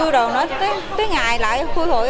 rồi tới ngày lại hụi hụi